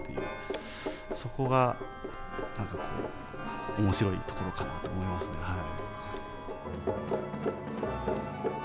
そこが何かこう面白いところかなと思いますねはい。